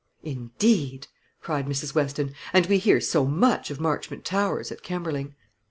"Indeed!" cried Mrs. Weston; "and we hear so much of Marchmont Towers at Kemberling."